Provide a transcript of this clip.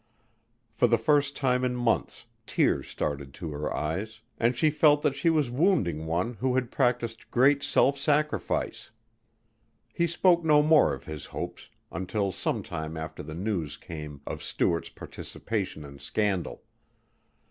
For the first time in months tears started to her eyes and she felt that she was wounding one who had practiced great self sacrifice. He spoke no more of his hopes until some time after the news came of Stuart's participation in scandal.